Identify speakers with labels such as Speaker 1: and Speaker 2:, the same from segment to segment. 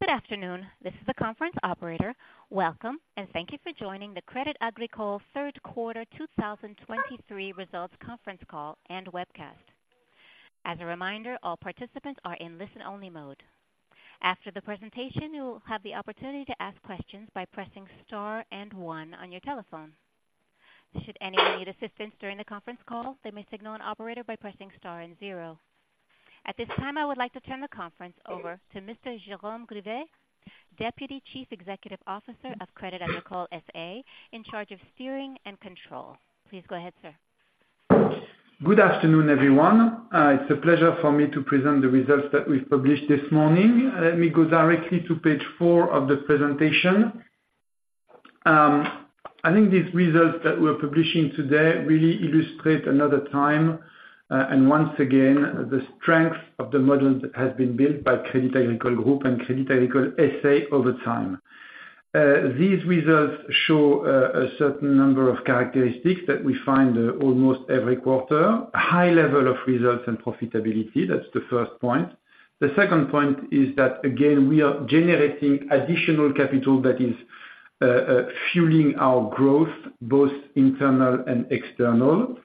Speaker 1: Good afternoon, this is the conference operator. Welcome, and thank you for joining the Crédit Agricole third quarter 2023 results conference call and webcast. As a reminder, all participants are in listen-only mode. After the presentation, you will have the opportunity to ask questions by pressing star and one on your telephone. Should anyone need assistance during the conference call, they may signal an operator by pressing star and zero. At this time, I would like to turn the conference over to Mr. Jérôme Grivet, Deputy Chief Executive Officer of Crédit Agricole S.A., in charge of Steering and Control. Please go ahead, sir.
Speaker 2: Good afternoon, everyone. It's a pleasure for me to present the results that we've published this morning. Let me go directly to page 4 of the presentation. I think these results that we're publishing today really illustrate another time, and once again, the strength of the models that has been built by Crédit Agricole Group and Crédit Agricole S.A. over time. These results show a certain number of characteristics that we find almost every quarter. High level of results and profitability, that's the first point. The second point is that, again, we are generating additional capital that is fueling our growth, both internal and external.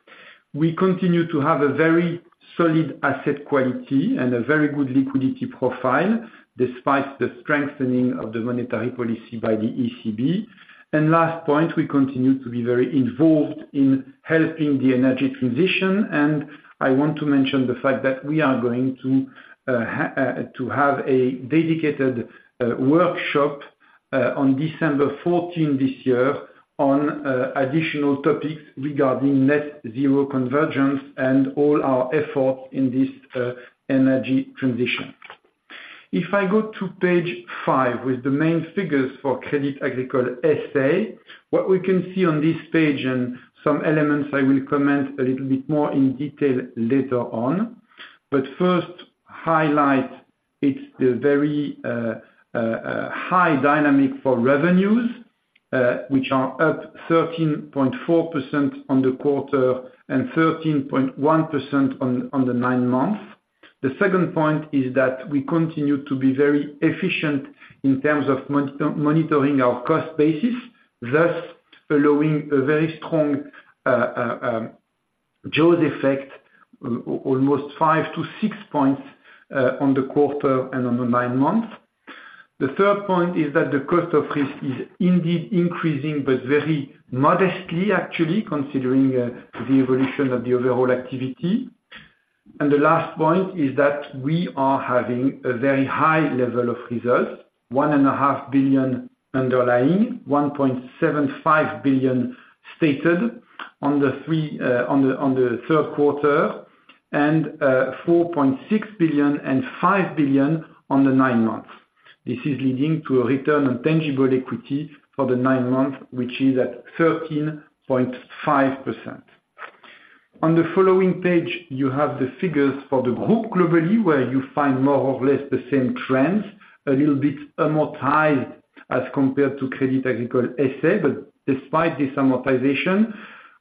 Speaker 2: We continue to have a very solid asset quality and a very good liquidity profile, despite the strengthening of the monetary policy by the ECB. And last point, we continue to be very involved in helping the energy transition, and I want to mention the fact that we are going to have a dedicated workshop on December fourteenth this year on additional topics regarding Net Zero convergence and all our efforts in this energy transition. If I go to page 5, with the main figures for Crédit Agricole S.A., what we can see on this page, and some elements I will comment a little bit more in detail later on, but first, highlight, it's the very high dynamic for revenues, which are up 13.4% on the quarter and 13.1% on the nine months. The second point is that we continue to be very efficient in terms of monitoring our cost basis, thus allowing a very strong Jaws effect, almost 5-6 points on the quarter and on the nine months. The third point is that the cost of risk is indeed increasing, but very modestly, actually, considering the evolution of the overall activity. And the last point is that we are having a very high level of results, 1.5 billion underlying, 1.75 billion stated on the three, on the, on the third quarter, and four point six billion and five billion on the nine months. This is leading to a return on tangible equity for the nine months, which is at 13.5%. On the following page, you have the figures for the group globally, where you find more or less the same trends, a little bit amortized as compared to Crédit Agricole S.A. But despite this amortization,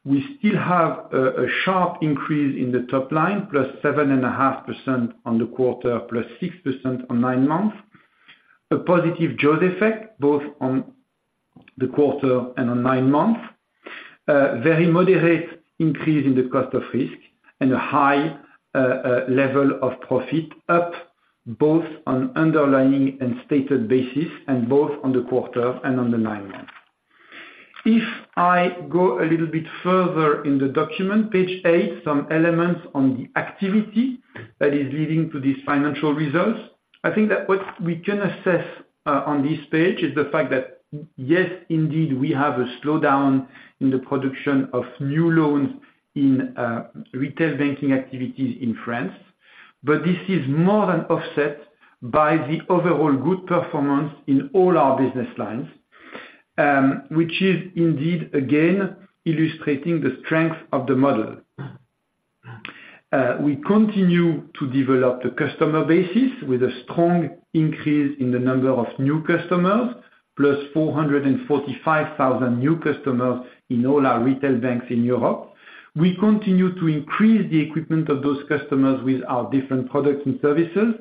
Speaker 2: we still have a sharp increase in the top line, +7.5% on the quarter, +6% on nine months. A positive Jaws effect, both on the quarter and on nine months. Very moderate increase in the cost of risk and a high level of profit, up both on underlying and stated basis, and both on the quarter and on the nine months. If I go a little bit further in the document, page 8, some elements on the activity that is leading to these financial results. I think that what we can assess on this page is the fact that yes, indeed, we have a slowdown in the production of new loans in retail banking activities in France. But this is more than offset by the overall good performance in all our business lines, which is indeed, again, illustrating the strength of the model. We continue to develop the customer basis with a strong increase in the number of new customers, plus 445,000 new customers in all our retail banks in Europe. We continue to increase the equipment of those customers with our different products and services,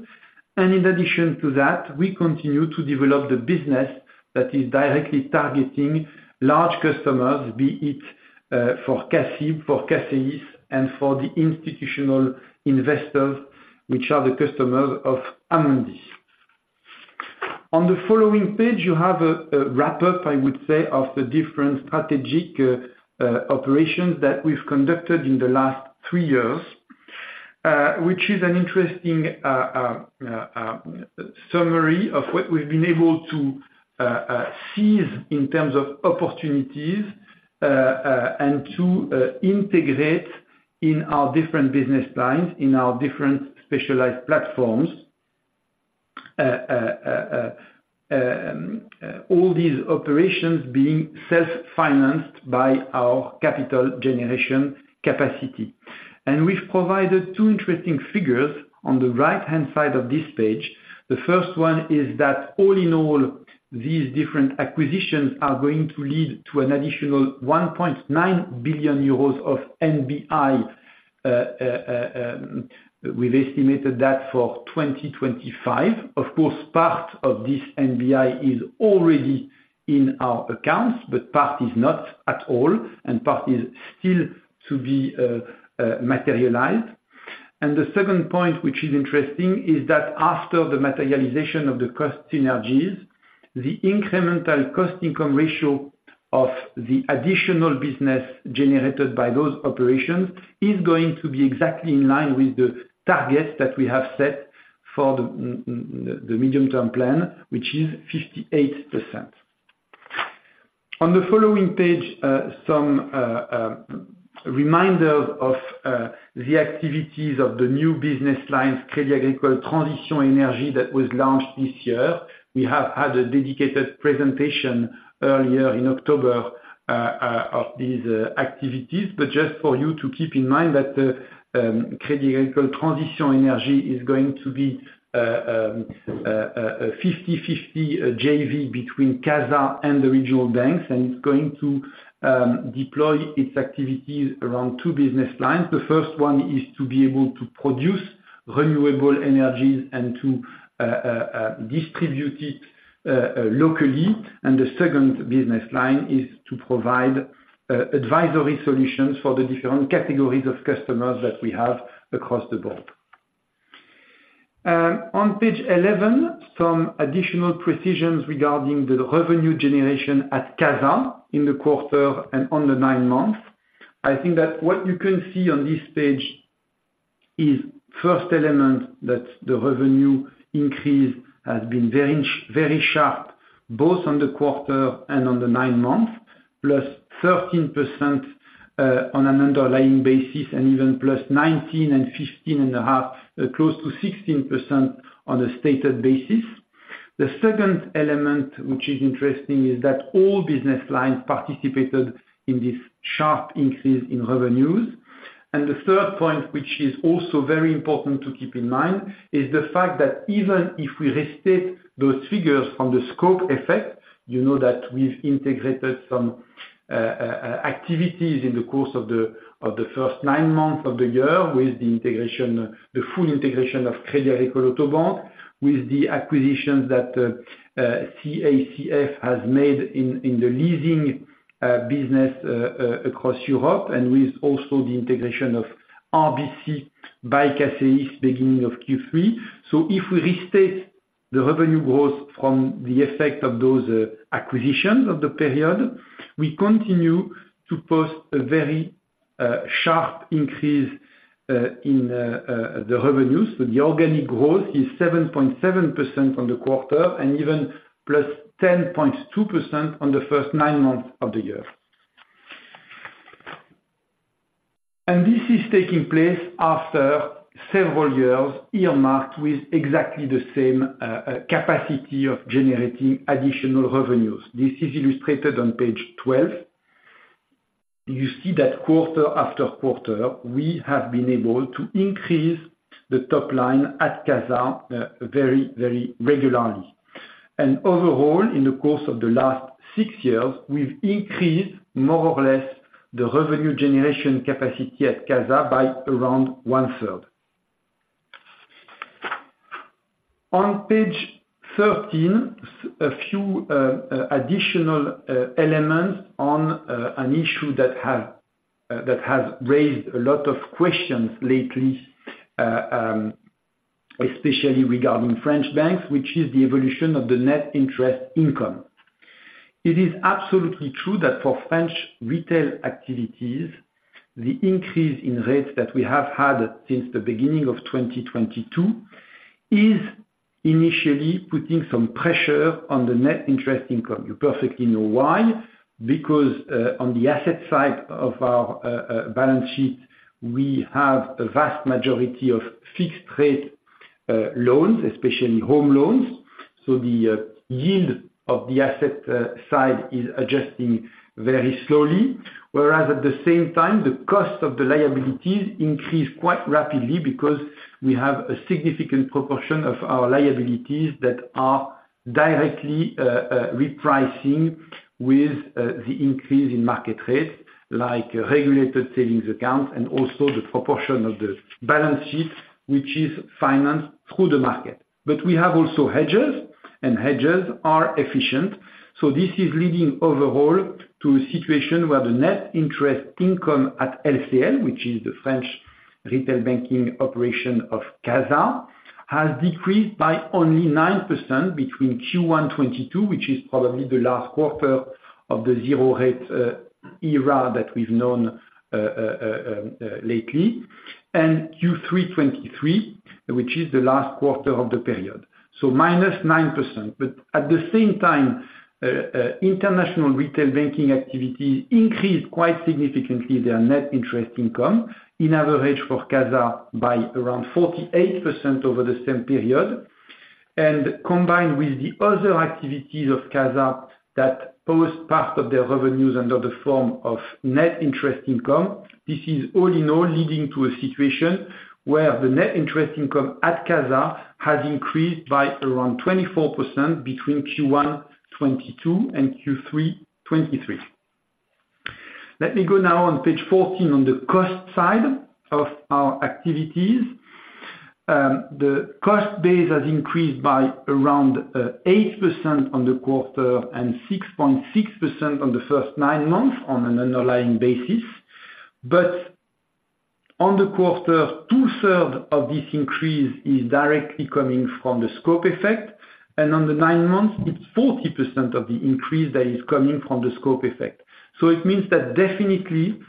Speaker 2: and in addition to that, we continue to develop the business that is directly targeting large customers, be it for CACEIS, for CACIB, and for the institutional investors, which are the customers of Amundi. On the following page, you have a wrap-up, I would say, of the different strategic operations that we've conducted in the last three years. Which is an interesting summary of what we've been able to seize in terms of opportunities, and to integrate in our different business lines, in our different specialized platforms. All these operations being self-financed by our capital generation capacity. And we've provided two interesting figures on the right-hand side of this page. The first one is that all in all, these different acquisitions are going to lead to an additional 1.9 billion euros of NBI. We've estimated that for 2025, of course, part of this NBI is already in our accounts, but part is not at all, and part is still to be materialized. The second point, which is interesting, is that after the materialization of the cost synergies, the incremental cost income ratio of the additional business generated by those operations is going to be exactly in line with the targets that we have set for the medium-term plan, which is 58%. On the following page, some reminders of the activities of the new business lines, Crédit Agricole Transitions & Énergies that was launched this year. We have had a dedicated presentation earlier in October of these activities. But just for you to keep in mind that the rédit Agricole Transitions & Énergies is going to be a 50/50 JV between CASA and the regional banks, and it's going to deploy its activities around two business lines. The first one is to be able to produce renewable energies and to distribute it locally. And the second business line is to provide advisory solutions for the different categories of customers that we have across the board. On page 11, some additional precisions regarding the revenue generation at CASA in the quarter and on the nine months. I think that what you can see on this page is, first element, that the revenue increase has been very sharp, both on the quarter and on the nine months, +13% on an underlying basis, and even +19% and 15.5%, close to 16% on a stated basis. The second element, which is interesting, is that all business lines participated in this sharp increase in revenues. The third point, which is also very important to keep in mind, is the fact that even if we restate those figures from the scope effect, you know that we've integrated some activities in the course of the first nine months of the year with the integration, the full integration of Crédit Agricole Autobank, with the acquisitions that CACF has made in the leasing business across Europe, and with also the integration of RBC by CACEIS, beginning of Q3. So if we restate the revenue growth from the effect of those acquisitions of the period, we continue to post a very sharp increase in the revenues. But the organic growth is 7.7% on the quarter, and even plus 10.2% on the first nine months of the year. This is taking place after several years, earmarked with exactly the same capacity of generating additional revenues. This is illustrated on page 12. You see that quarter after quarter, we have been able to increase the top line at CASA, very, very regularly. And overall, in the course of the last six years, we've increased more or less, the revenue generation capacity at CASA by around one-third. On page 13, a few additional elements on an issue that has raised a lot of questions lately, especially regarding French banks, which is the evolution of the net interest income. It is absolutely true that for French retail activities, the increase in rates that we have had since the beginning of 2022, is initially putting some pressure on the net interest income. You perfectly know why, because on the asset side of our balance sheet, we have a vast majority of fixed rate loans, especially home loans, so the yield of the asset side is adjusting very slowly. Whereas at the same time, the cost of the liabilities increase quite rapidly, because we have a significant proportion of our liabilities that are directly repricing with the increase in market rates, like regulated savings accounts and also the proportion of the balance sheet, which is financed through the market. But we have also hedges, and hedges are efficient, so this is leading overall to a situation where the net interest income at LCL, which is the French retail banking operation of CASA, has decreased by only 9% between Q1 2022, which is probably the last quarter of the zero rate era that we've known lately, and Q3 2023, which is the last quarter of the period, so minus 9%. But at the same time, international retail banking activities increased quite significantly their net interest income, in average for CASA, by around 48% over the same period. Combined with the other activities of CASA that post part of their revenues under the form of net interest income, this is all in all leading to a situation where the net interest income at CASA has increased by around 24% between Q1 2022 and Q3 2023. Let me go now on page 14, on the cost side of our activities. The cost base has increased by around eight percent on the quarter and 6.6% on the first 9 months on an underlying basis. But on the quarter, two-thirds of this increase is directly coming from the scope effect, and on the nine months, it's 40% of the increase that is coming from the scope effect. So it means that definitely,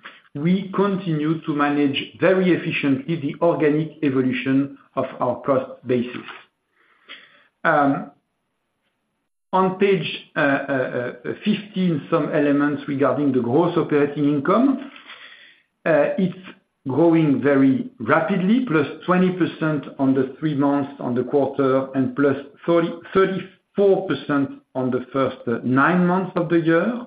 Speaker 2: we continue to manage very efficiently the organic evolution of our cost basis. On page 15, some elements regarding the gross operating income. It's growing very rapidly, plus 20% on the three months on the quarter, and plus 34% on the first nine months of the year.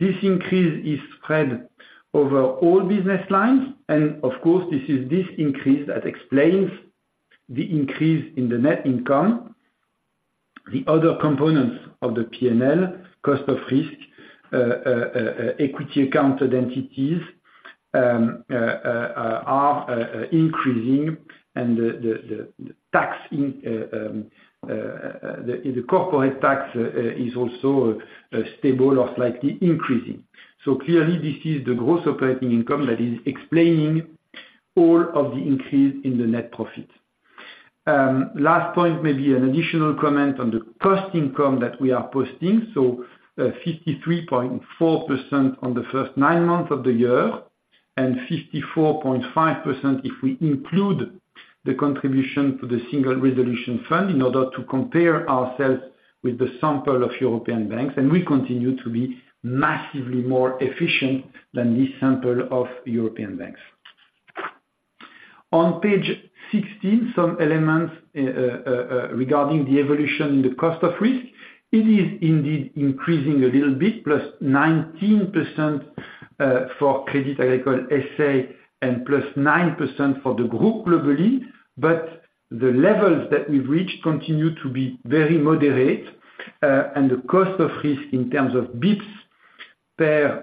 Speaker 2: This increase is spread over all business lines, and of course, this is this increase that explains the increase in the net income. The other components of the P&L, cost of risk, equity accounted entities, are increasing, and the corporate tax is also stable or slightly increasing. So clearly, this is the gross operating income that is explaining all of the increase in the net profit. Last point, maybe an additional comment on the cost income that we are posting. So, 53.4% on the first nine months of the year, and 54.5% if we include the contribution to the Single Resolution Fund, in order to compare ourselves with the sample of European banks, and we continue to be massively more efficient than this sample of European banks. On page 16, some elements regarding the evolution in the cost of risk. It is indeed increasing a little bit, +19%, for Crédit Agricole S.A., and +9% for the group globally. But the levels that we've reached continue to be very moderate, and the cost of risk in terms of bps per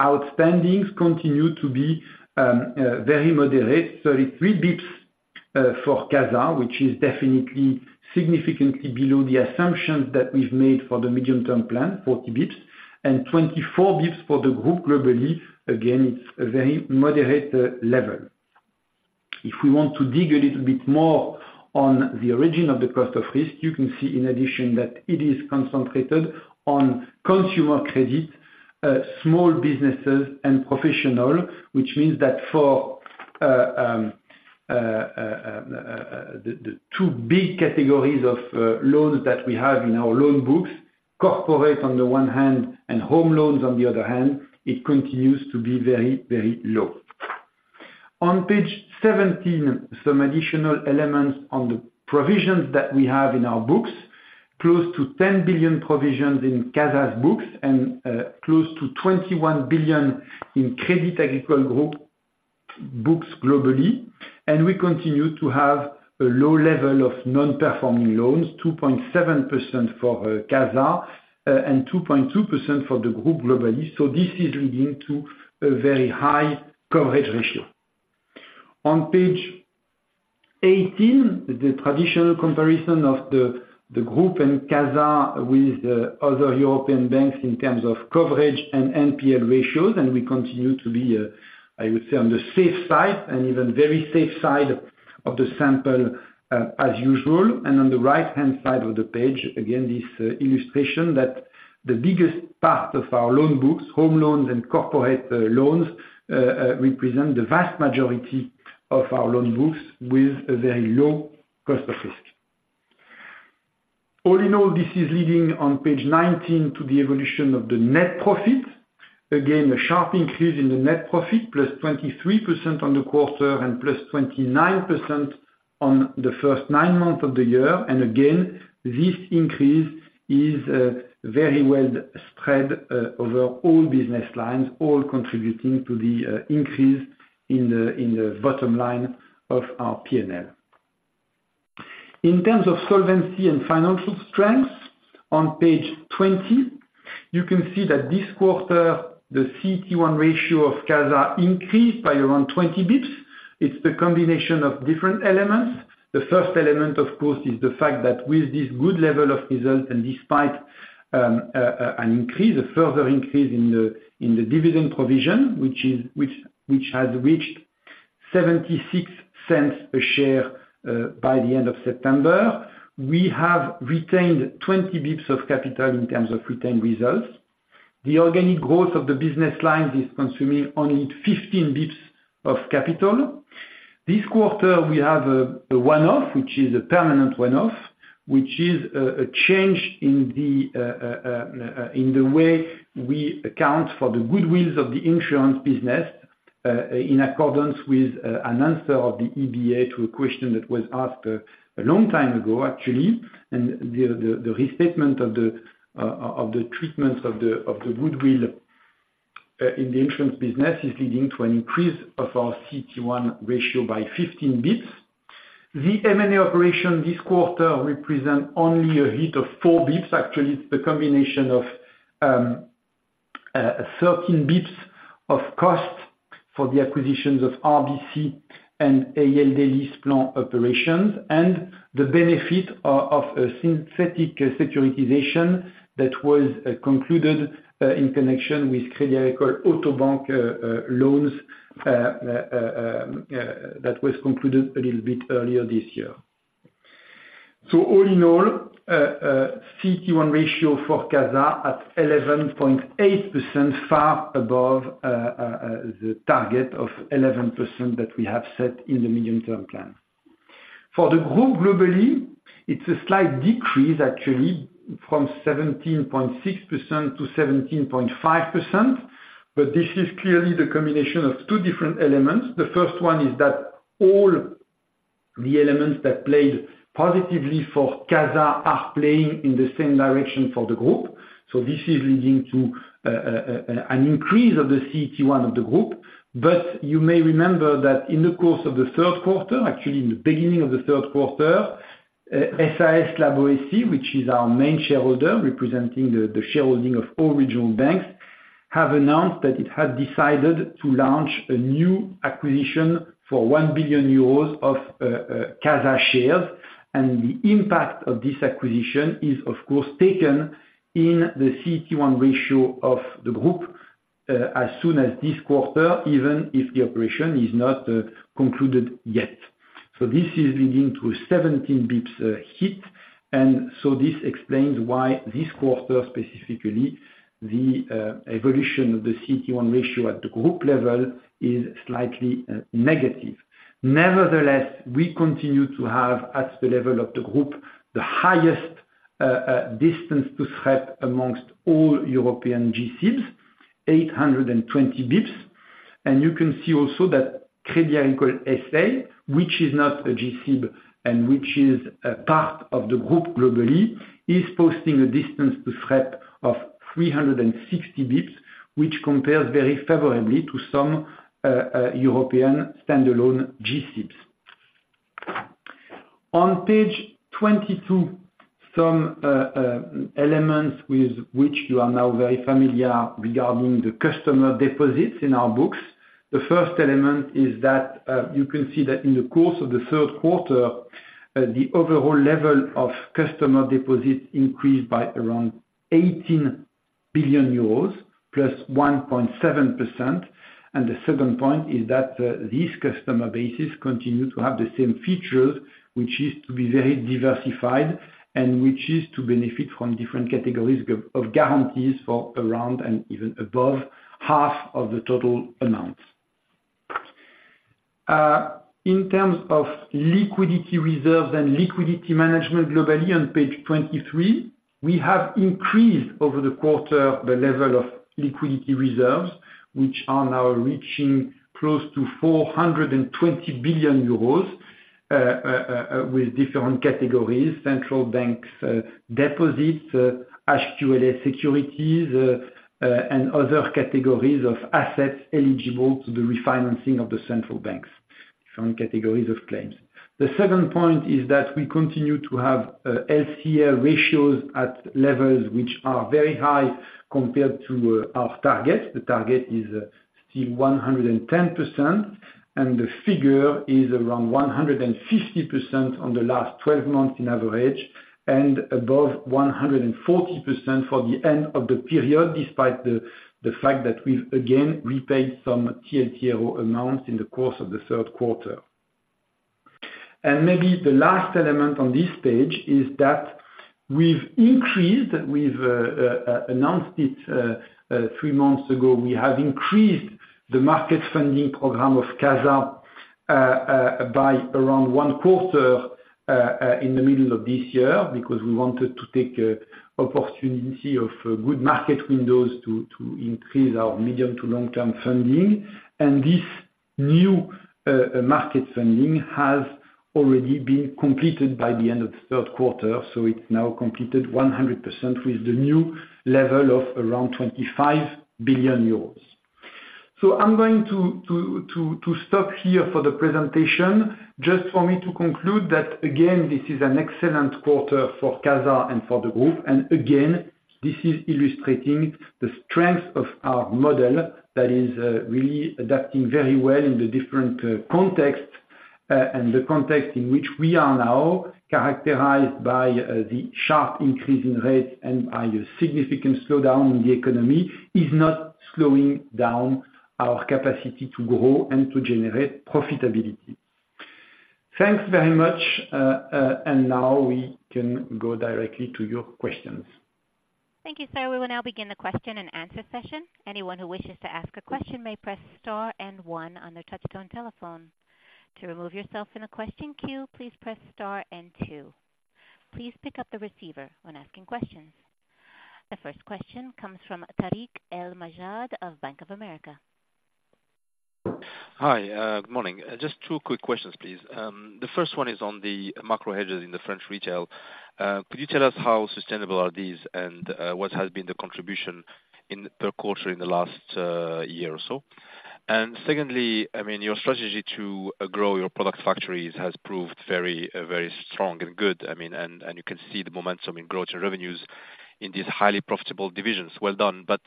Speaker 2: outstandings continue to be very moderate. So it's 3 bps for CASA, which is definitely significantly below the assumptions that we've made for the medium-term plan, 40bps, and 24 bps for the group globally. Again, it's a very moderate level. If we want to dig a little bit more on the origin of the cost of risk, you can see in addition, that it is concentrated on consumer credit, small businesses, and professional, which means that for the two big categories of loans that we have in our loan books, corporate on the one hand, and home loans on the other hand, it continues to be very, very low. On page 17, some additional elements on the provisions that we have in our books. Close to 10 billion provisions in CASA's books, and close to 21 billion in Crédit Agricole Group books globally, and we continue to have a low level of non-performing loans, 2.7% for CASA, and 2.2% for the group globally. So this is leading to a very high coverage ratio. On page 18, the traditional comparison of the group and CASA with other European banks in terms of coverage and NPL ratios, and we continue to be, I would say, on the safe side, and even very safe side of the sample, as usual. And on the right-hand side of the page, again, this illustration that the biggest part of our loan books, home loans and corporate loans, represent the vast majority of our loan books with a very low cost of risk. All in all, this is leading on page 19 to the evolution of the net profit. Again, a sharp increase in the net profit, +23% on the quarter, and +29% on the first 9 months of the year. And again, this increase is, very well spread, over all business lines, all contributing to the, increase in the, in the bottom line of our P&L. In terms of solvency and financial strength, on page 20, you can see that this quarter, the CET1 ratio of CASA increased by around 20 bps. It's the combination of different elements. The first element, of course, is the fact that with this good level of result, and despite, an increase, a further increase in the, in the dividend provision, which has reached 0.76 a share, by the end of September, we have retained 20 bps of capital in terms of retained results. The organic growth of the business lines is consuming only 15 bps of capital. This quarter, we have, a one-off, which is a permanent one-off, which is, a change in the, in the way we account for the goodwill of the insurance business, in accordance with, an answer of the EBA to a question that was asked, a long time ago, actually. The restatement of the treatments of the goodwill in the insurance business is leading to an increase of our CET1 ratio by 15 bps. The M&A operation this quarter represent only a hit of 4 bps Actually, it's the combination of 13 bps of cost for the acquisitions of RBC and ALD leasing operations, and the benefit of a synthetic securitization that was concluded in connection with Crédit Agricole Autobank loans that was concluded a little bit earlier this year. So all in all, CET1 ratio for CASA at 11.8%, far above the target of 11% that we have set in the medium-term plan. For the group globally, it's a slight decrease, actually, from 17.6% to 17.5%, but this is clearly the combination of two diffeCASA are playing in the same direction for the group, so this is leading to an increase of the CET1 of the group. But you may remember that in the course of the third quarter, actually in the beginning of the third quarter, SAS La Boétie, which is our main shareholder, representing the shareholding of all regional banks, have announced that it had decided to launch a new acquisition for 1 billion euros of CASA shares. The impact of this acquisition is, of course, taken in the CET1 ratio of the group, as soon as this quarter, even if the operation is not concluded yet. So this is leading to 17 bps hit, and so this explains why this quarter, specifically, the evolution of the CET1 ratio at the group level is slightly negative. Nevertheless, we continue to have, at the level of the group, the highest distance to SREP amongst all European G-SIBs, 820 bps. You can see also that Crédit Agricole S.A., which is not a G-SIB, and which is a part of the group globally, is posting a distance to SREP of 360 bps, which compares very favorably to some European standalone G-SIBs. On page 22, some elements with which you are now very familiar regarding the customer deposits in our books. The first element is that, you can see that in the course of the third quarter, the overall level of customer deposits increased by around 18 billion euros, +1.7%. The second point is that, this customer basis continues to have the same features, which is to be very diversified, and which is to benefit from different categories of, of guarantees for around, and even above, half of the total amount. In terms of liquidity reserves and liquidity management globally, on page 23, we have increased over the quarter the level of liquidity reserves, which are now reaching close to 420 billion euros, with different categories, central banks, deposits, HQLA securities, and other categories of assets eligible to the refinancing of the central banks, different categories of claims. The second point is that we continue to have LCR ratios at levels which are very high compared to our target. The target is still 110%, and the figure is around 150% on the last 12 months in average, and above 140% for the end of the period, despite the fact that we've again repaid some TLTRO amounts in the course of the third quarter. And maybe the last element on this page is that we've announced it three months ago, we have increased the market funding program of CASA by around one quarter in the middle of this year, because we wanted to take an opportunity of good market windows to increase our medium to long-term funding. And this new market funding has already been completed by the end of the third quarter, so it's now completed 100% with the new level of around 25 billion euros. So I'm going to stop here for the presentation. Just for me to conclude that, again, this is an excellent quarter for CASA and for the group. And again, this is illustrating the strength of our model that is really adapting very well in the different context. And the context in which we are now characterized by the sharp increase in rates and by a significant slowdown in the economy is not slowing down our capacity to grow and to generate profitability. Thanks very much. And now we can go directly to your questions.
Speaker 1: Thank you, sir. We will now begin the question and answer session. Anyone who wishes to ask a question may press star and one on their touchtone telephone. To remove yourself from the question queue, please press star and two. Please pick up the receiver when asking questions. The first question comes from Tarik El Mejjad of Bank of America.
Speaker 3: Hi, good morning. Just two quick questions, please. The first one is on the macro hedges in the French retail. Could you tell us how sustainable are these and what has been the contribution in per quarter in the last year or so? And secondly, I mean, your strategy to grow your product factories has proved very very strong and good. I mean, and you can see the momentum in growth in revenues in these highly profitable divisions. Well done. But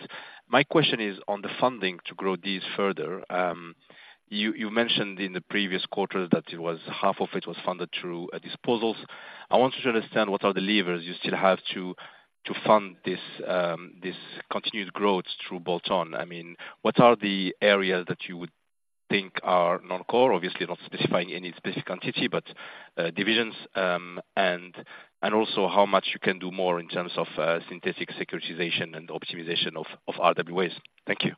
Speaker 3: my question is on the funding to grow these further. You mentioned in the previous quarter that it was half of it was funded through disposals. I want to understand what are the levers you still have to fund this continued growth through bolt-on? I mean, what are the areas that you would think are non-core? Obviously, not specifying any specific entity, but divisions. And also how much you can do more in terms of synthetic securitization and optimization of RWAs. Thank you.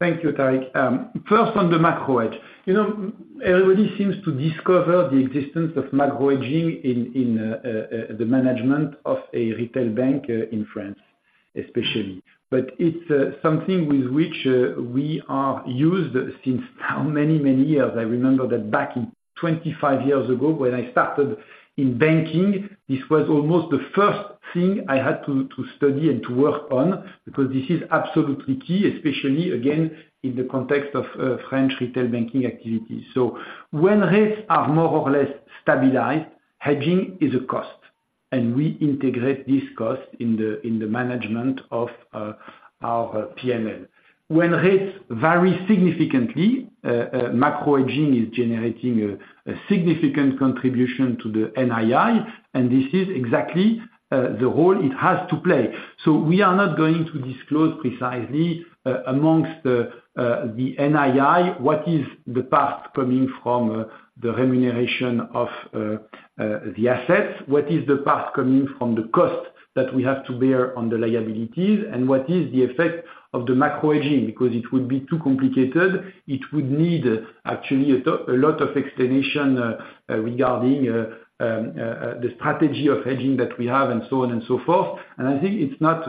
Speaker 2: Thank you, Tarik. First, on the macro hedge, you know, everybody seems to discover the existence of macro hedging in, in, the management of a retail bank, in France, especially. But it's something with which we are used since now, many, many years. I remember that back in 25 years ago, when I started in banking, this was almost the first thing I had to study and to work on, because this is absolutely key, especially, again, in the context of French retail banking activities. So when rates are more or less stabilized, hedging is a cost, and we integrate this cost in the, in the management of our P&L. When rates vary significantly, macro hedging is generating a significant contribution to the NII, and this is exactly the role it has to play. So we are not going to disclose precisely amongst the NII, what is the part coming from the remuneration of the assets? What is the part coming from the cost that we have to bear on the liabilities? And what is the effect of the macro hedging? Because it would be too complicated, it would need actually a lot of explanation regarding the strategy of hedging that we have, and so on and so forth. And I think it's not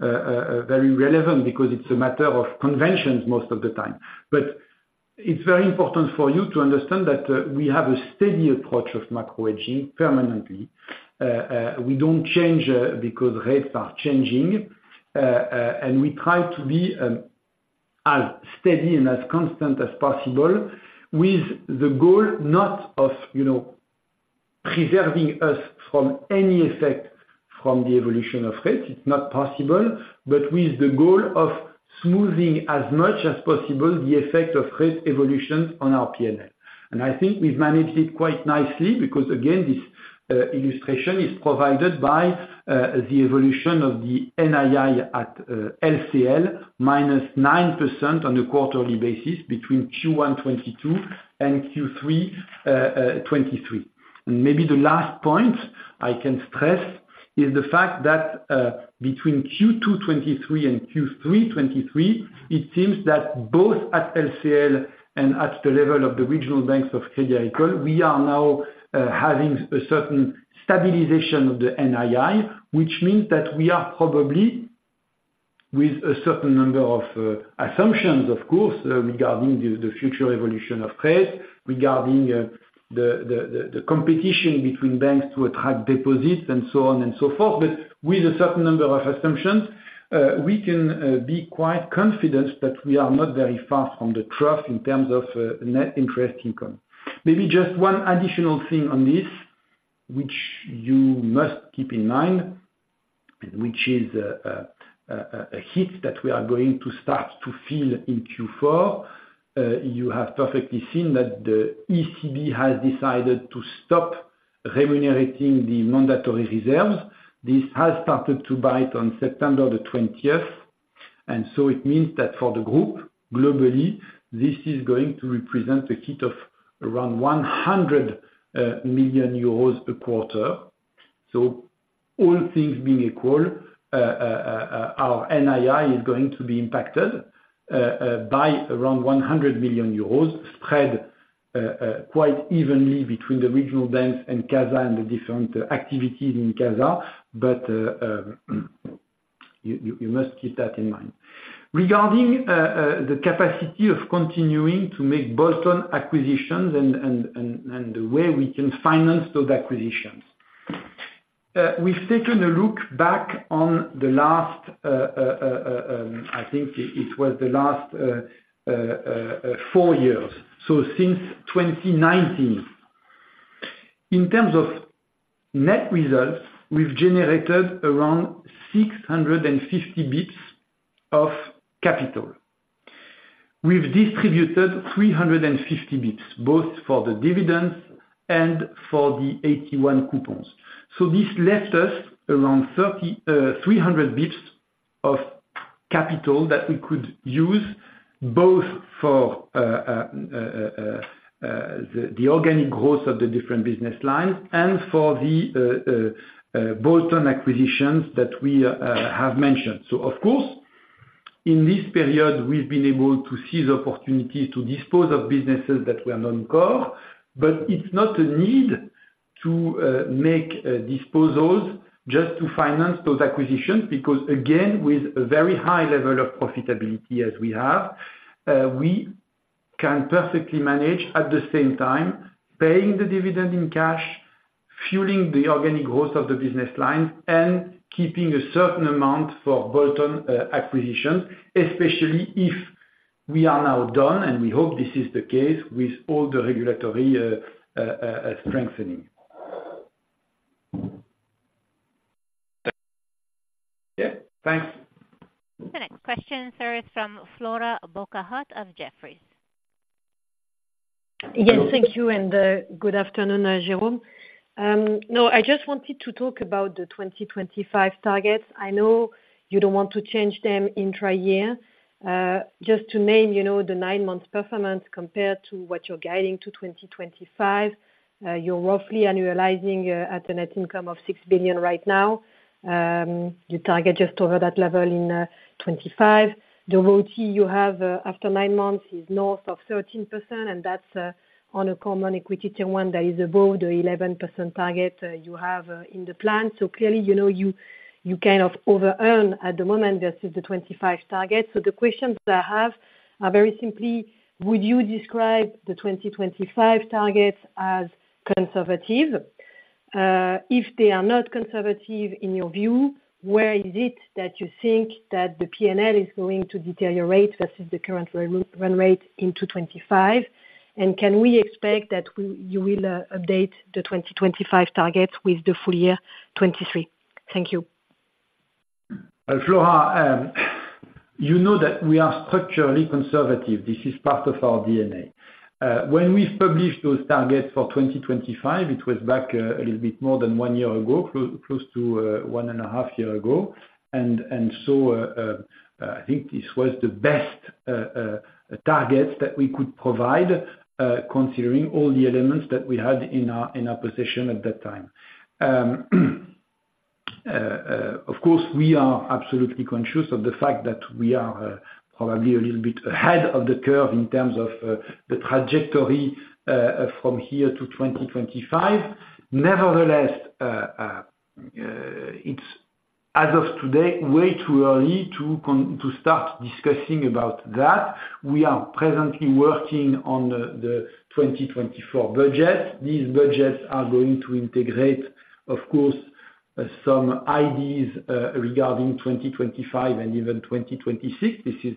Speaker 2: very relevant because it's a matter of conventions most of the time. But it's very important for you to understand that we have a steady approach of macro hedging permanently. We don't change because rates are changing, and we try to be as steady and as constant as possible, with the goal, not of, you know, preserving us from any effect from the evolution of rate, it's not possible, but with the goal of smoothing as much as possible the effect of rate evolution on our P&L. And I think we've managed it quite nicely, because, again, this illustration is provided by the evolution of the NII at LCL, minus 9% on a quarterly basis between Q1 2022 and Q3 2023. Maybe the last point I can stress is the fact that, between Q2 2023 and Q3 2023, it seems that both at LCL and at the level of the regional banks of Crédit Agricole, we are now having a certain stabilization of the NII, which means that we are probably with a certain number of assumptions of course, regarding the competition between banks to attract deposits and so on and so forth. But with a certain number of assumptions, we can be quite confident that we are not very far from the trough in terms of net interest income. Maybe just one additional thing on this, which you must keep in mind, and which is a hit that we are going to start to feel in Q4. You have perfectly seen that the ECB has decided to stop remunerating the mandatory reserves. This has started to bite on September 20th, and so it means that for the group, globally, this is going to represent a hit of around 100 million euros a quarter. So all things being equal, our NII is going to be impacted by around 100 million euros, spread quite evenly between the regional banks and CASA, and the different activities in CASA, but you must keep that in mind. Regarding the capacity of continuing to make bolt-on acquisitions and the way we can finance those acquisitions. We've taken a look back on the last, I think it was the last, 4 years, so since 2019. In terms of net results, we've generated around 650 basis points of capital. We've distributed 350 basis points, both for the dividends and for the 81 coupons. So this left us around three hundred basis points of capital that we could use, both for the organic growth of the different business lines, and for the bolt-on acquisitions that we have mentioned. So of course, in this period, we've been able to seize opportunities to dispose of businesses that were non-core, but it's not a need to make disposals just to finance those acquisitions. Because, again, with a very high level of profitability as we have, we can perfectly manage, at the same time, paying the dividend in cash, fueling the organic growth of the business line, and keeping a certain amount for bolt-on acquisition, especially if we are now done, and we hope this is the case with all the regulatory strengthening.
Speaker 3: Yeah, thanks.
Speaker 1: The next question, sir, is from Flora Bocahut of Jefferies.
Speaker 4: Yes, thank you, and good afternoon, Jérôme. No, I just wanted to talk about the 2025 targets. I know you don't want to change them intra-year. Just to name, you know, the 9-month performance compared to what you're guiding to 2025, you're roughly annualizing at a net income of 6 billion right now. You target just over that level in 2025. The ROTE you have after 9 months is north of 13%, and that's on a Common Equity Tier 1 that is above the 11% target you have in the plan. So clearly, you know, you kind of over earn at the moment versus the 2025 target. So the questions I have are very simply, would you describe the 2025 targets as conservative? If they are not conservative, in your view, where is it that you think that the P&L is going to deteriorate versus the current run rate in 2025? And can we expect that you will update the 2025 targets with the full year 2023? Thank you.
Speaker 2: Flora, you know that we are structurally conservative. This is part of our DNA. When we published those targets for 2025, it was back a little bit more than one year ago, close to one and a half year ago. And so, I think this was the best target that we could provide, considering all the elements that we had in our possession at that time. Of course, we are absolutely conscious of the fact that we are probably a little bit ahead of the curve in terms of the trajectory from here to 2025. Nevertheless, it's, as of today, way too early to start discussing about that. We are presently working on the 2024 budget. These budgets are going to integrate, of course, some ideas regarding 2025 and even 2026. This is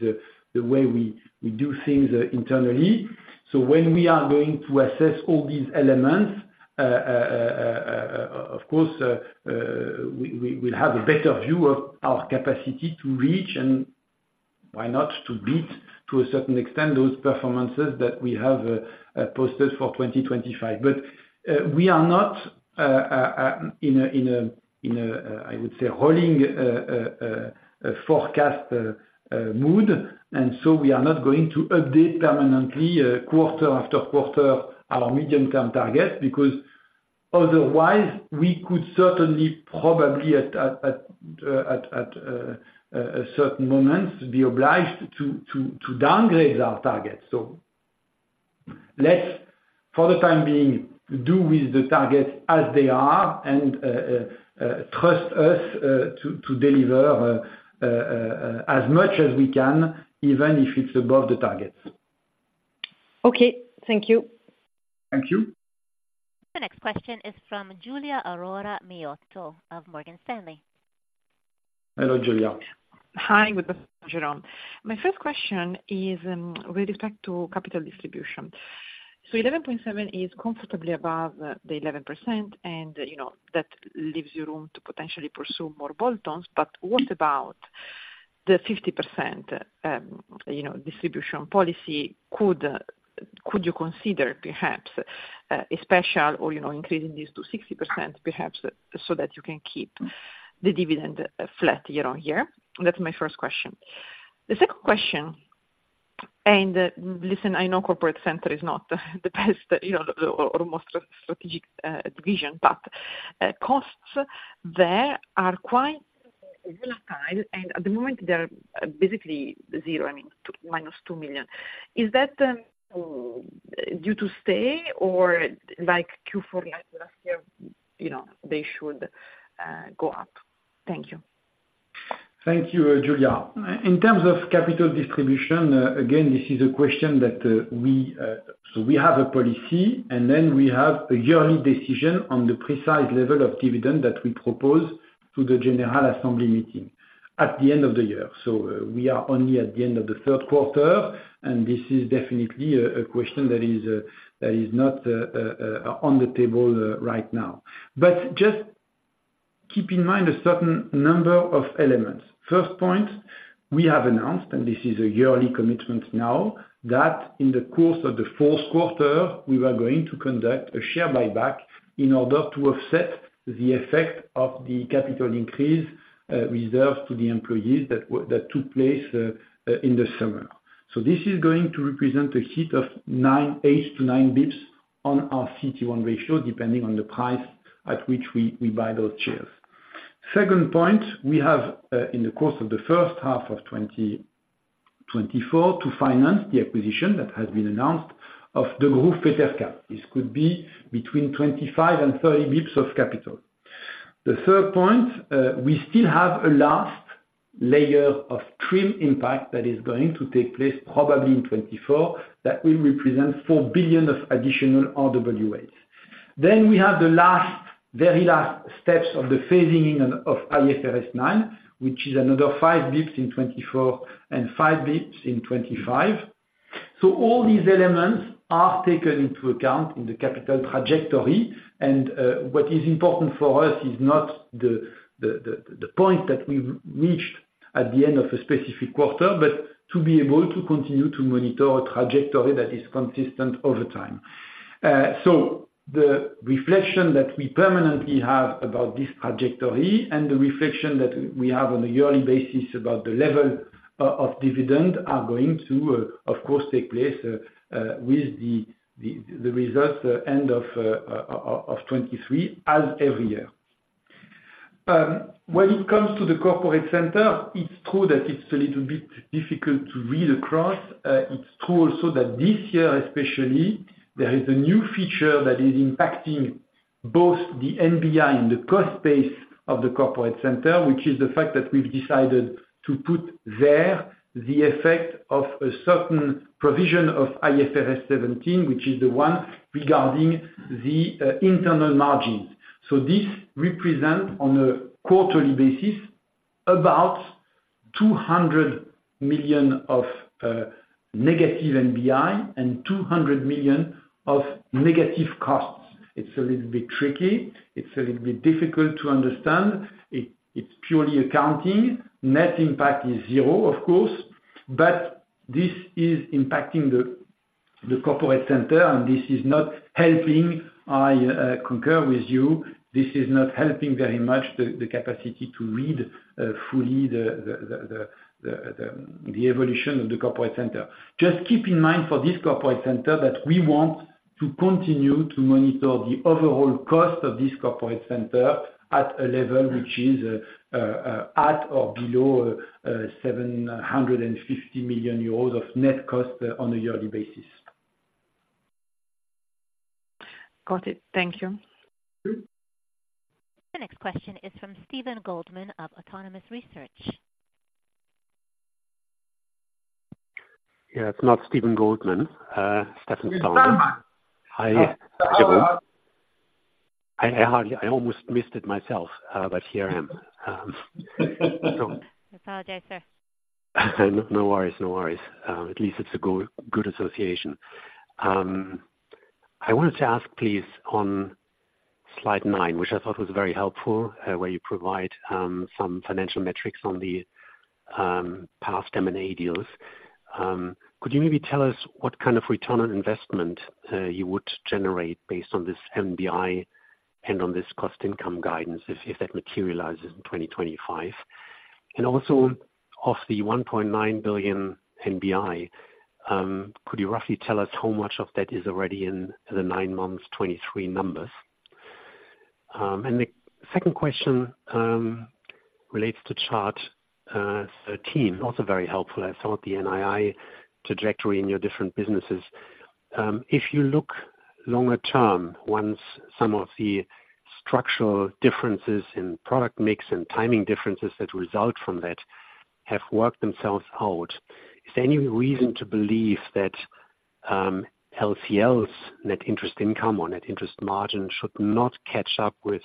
Speaker 2: the way we do things internally. So when we are going to assess all these elements, of course, we'll have a better view of our capacity to reach, and why not to beat, to a certain extent, those performances that we have posted for 2025. But we are not in a, I would say, rolling forecast mood, and so we are not going to update permanently, quarter after quarter, our medium-term target. Because otherwise, we could certainly, probably at a certain moment, be obliged to downgrade our targets. So let's, for the time being, do with the targets as they are and trust us to deliver as much as we can, even if it's above the targets.
Speaker 4: Okay. Thank you.
Speaker 2: Thank you.
Speaker 1: The next question is from Giulia Aurora Miotto of Morgan Stanley.
Speaker 2: Hello, Giulia.
Speaker 5: Hi, good afternoon, Jérôme. My first question is with respect to capital distribution. So 11.7 is comfortably above the 11%, and, you know, that leaves you room to potentially pursue more bolt-ons. But what about the 50%, you know, distribution policy? Could you consider, perhaps, a special or, you know, increasing this to 60%, perhaps, so that you can keep the dividend flat year-over-year? That's my first question. The second question, and, listen, I know corporate center is not the best, you know, or most strategic division, but costs there are quite volatile, and at the moment, they are basically zero, I mean, -2 million. Is that due to stay or like Q4 last year, you know, they should go up? Thank you.
Speaker 2: Thank you, Giulia. In terms of capital distribution, again, this is a question that we... So we have a policy, and then we have a yearly decision on the precise level of dividend that we propose to the general assembly meeting at the end of the year. So, we are only at the end of the third quarter, and this is definitely a question that is not on the table right now. But just keep in mind a certain number of elements. First point, we have announced, and this is a yearly commitment now, that in the course of the fourth quarter, we are going to conduct a share buyback in order to offset the effect of the capital increase reserved to the employees that took place in the summer. This is going to represent a hit of 98-99 bps on our CET1 ratio, depending on the price at which we, we buy those shares. Second point, we have, in the course of the first half of 2024 to finance the acquisition that has been announced of the Degroof Petercam. This could be between 25 and 30 bps of capital. The third point, we still have a last layer of TRIM impact that is going to take place probably in 2024. That will represent 4 billion of additional RWAs. Then we have the last, very last steps of the phasing in of IFRS 9, which is another 5 bps in 2024 and 5 bps in 2025. So all these elements are taken into account in the capital trajectory, and what is important for us is not the point that we've reached at the end of a specific quarter, but to be able to continue to monitor a trajectory that is consistent over time. So the reflection that we permanently have about this trajectory and the reflection that we have on a yearly basis about the level of dividend are going to, of course, take place with the results, the end of 2023, as every year. When it comes to the corporate center, it's true that it's a little bit difficult to read across. It's true also that this year, especially, there is a new feature that is impacting both the NBI and the cost base of the corporate center, which is the fact that we've decided to put there the effect of a certain provision of IFRS 17, which is the one regarding the internal margins. So this represent, on a quarterly basis, about 200 million of negative NBI and 200 million of negative costs. It's a little bit tricky. It's a little bit difficult to understand. It's purely accounting. Net impact is zero, of course, but this is impacting the corporate center, and this is not helping. I concur with you, this is not helping very much, the capacity to read fully the evolution of the corporate center. Just keep in mind, for this corporate center, that we want to continue to monitor the overall cost of this corporate center at a level which is, at or below, 750 million euros of net cost on a yearly basis.
Speaker 5: Got it. Thank you.
Speaker 2: Mm-hmm.
Speaker 1: The next question is from Stefan Stalmann of Autonomous Research.
Speaker 6: Yeah. It's not Steven Goldman, Stefan Stalmann.
Speaker 2: It's Stefan!
Speaker 6: Hi. I hardly, I almost missed it myself, but here I am. So-
Speaker 1: I apologize, sir.
Speaker 6: No worries, no worries. At least it's a good, good association. I wanted to ask, please, on slide 9, which I thought was very helpful, where you provide some financial metrics on the past M&A deals. Could you maybe tell us what kind of return on investment you would generate based on this NBI and on this cost income guidance, if that materializes in 2025? And also, of the 1.9 billion NBI, could you roughly tell us how much of that is already in the nine months, 2023 numbers? And the second question relates to chart 13, also very helpful, I thought, the NII trajectory in your different businesses. If you look longer term, once some of the structural differences in product mix and timing differences that result from that have worked themselves out, is there any reason to believe that, LCL's net interest income or net interest margin should not catch up with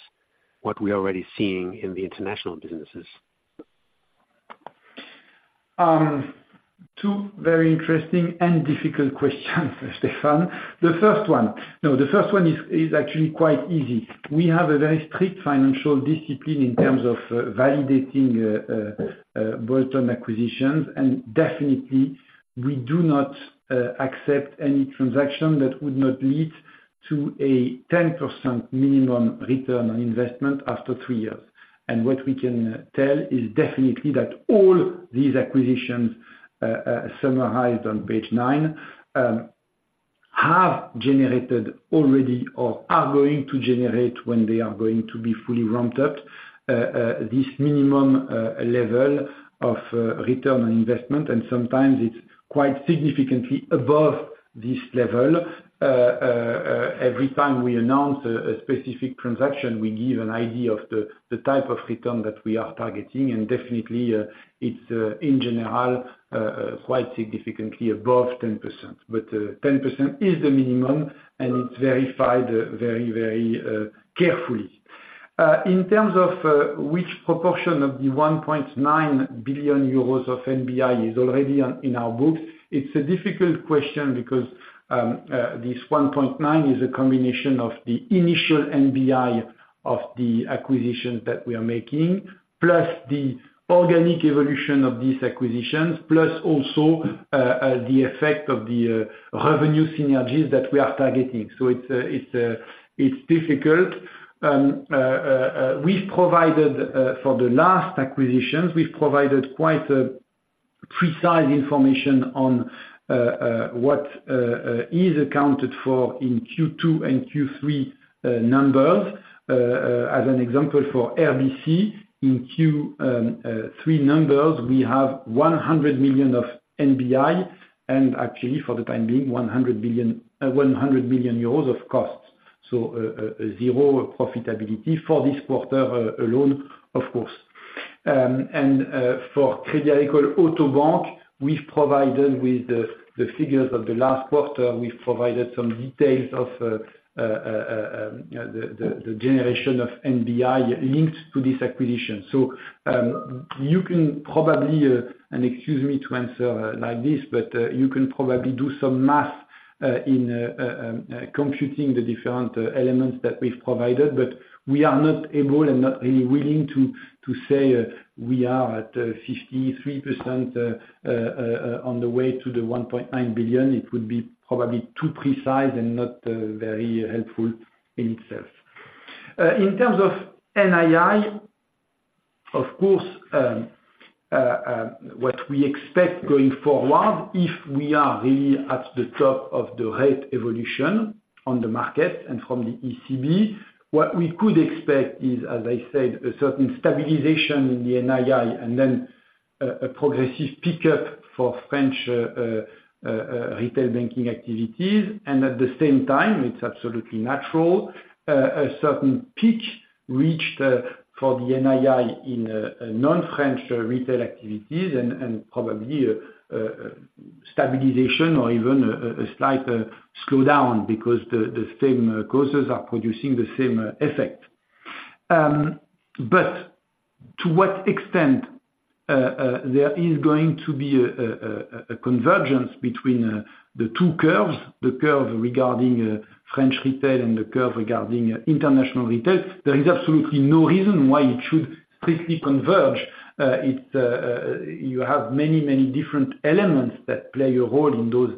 Speaker 6: what we're already seeing in the international businesses?
Speaker 2: Two very interesting and difficult questions, Stefan. The first one no, the first one is actually quite easy. We have a very strict financial discipline in terms of validating bolt-on acquisitions, and definitely we do not accept any transaction that would not lead to a 10% minimum return on investment after 3 years. And what we can tell is definitely that all these acquisitions summarized on page 9 have generated already, or are going to generate, when they are going to be fully ramped up, this minimum level of return on investment, and sometimes it's quite significantly above this level. Every time we announce a specific transaction, we give an idea of the type of return that we are targeting, and definitely, it's in general quite significantly above 10%. But 10% is the minimum, and it's verified very, very carefully. In terms of which proportion of the 1.9 billion euros of NBI is already on, in our books, it's a difficult question because this 1.9 is a combination of the initial NBI of the acquisitions that we are making, plus the organic evolution of these acquisitions, plus also the effect of the revenue synergies that we are targeting. So it's difficult. We've provided for the last acquisitions, we've provided quite a precise information on what is accounted for in Q2 and Q3 numbers. As an example for RBC, in Q3 numbers, we have 100 million of NBI, and actually, for the time being, 100 million euros of costs. So, zero profitability for this quarter alone, of course. For Crédit Agricole Autobank, we've provided with the figures of the last quarter, we've provided some details of, you know, the generation of NBI linked to this acquisition. You can probably, and excuse me to answer like this, but you can probably do some math in computing the different elements that we've provided, but we are not able, and not really willing to say we are at 53% on the way to the 1.9 billion. It would be probably too precise and not very helpful in itself. In terms of NII, of course, what we expect going forward, if we are really at the top of the rate evolution on the market and from the ECB, what we could expect is, as I said, a certain stabilization in the NII, and then a progressive pickup for French retail banking activities. And at the same time, it's absolutely natural, a certain peak reached, for the NII in non-French retail activities, and probably stabilization or even a slight slowdown because the same causes are producing the same effect. But to what extent there is going to be a convergence between the two curves, the curve regarding French retail, and the curve regarding international retail, there is absolutely no reason why it should strictly converge. You have many different elements that play a role in those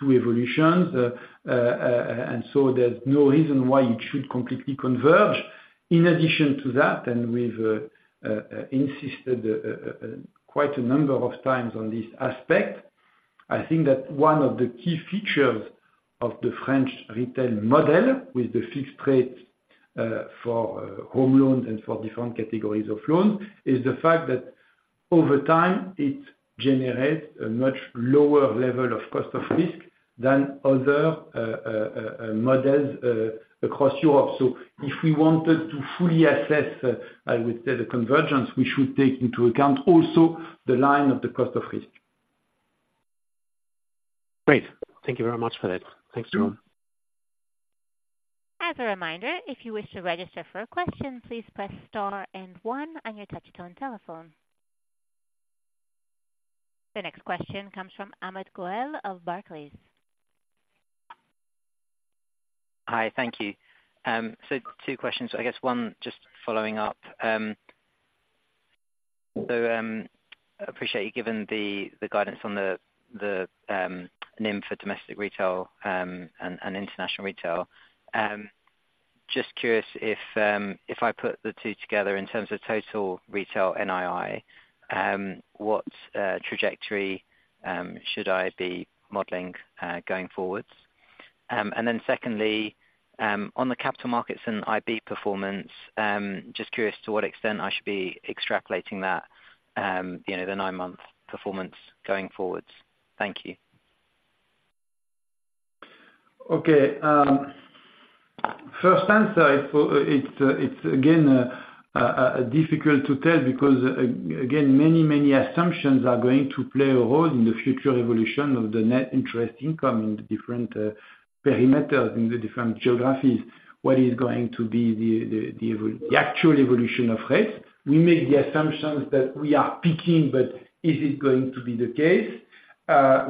Speaker 2: two evolutions. And so there's no reason why it should completely converge. In addition to that, and we've insisted quite a number of times on this aspect, I think that one of the key features of the French retail model, with the fixed rate for home loans and for different categories of loans, is the fact that over time, it generates a much lower level of cost of risk than other models across Europe. So if we wanted to fully assess, I would say, the convergence, we should take into account also the line of the cost of risk.
Speaker 6: Great. Thank you very much for that. Thanks, Jérôme.
Speaker 1: As a reminder, if you wish to register for a question, please press star and one on your touchtone telephone. The next question comes from Amit Goel of Barclays.
Speaker 7: Hi, thank you. So two questions. I guess one, just following up, so, appreciate you giving the, the guidance on the, the, NIM for domestic retail, and, and international retail. Just curious if, if I put the two together in terms of total retail NII, what, trajectory, should I be modeling, going forwards? And then secondly, on the capital markets and IB performance, just curious to what extent I should be extrapolating that, you know, the nine-month performance going forwards. Thank you.
Speaker 2: Okay. First answer, it's again difficult to tell, because again, many, many assumptions are going to play a role in the future evolution of the net interest income in the different perimeters, in the different geographies. What is going to be the actual evolution of rates? We make the assumptions that we are peaking, but is it going to be the case?